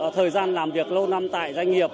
thời gian làm việc lâu năm tại doanh nghiệp